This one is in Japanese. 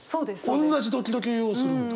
おんなじドキドキをするんだ。